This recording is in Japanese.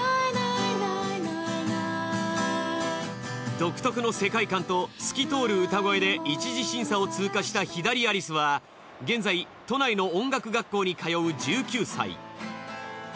独特の世界観と透き通る歌声で一次審査を通過したヒダリアリスは現在都内の音楽学校に通う１９歳。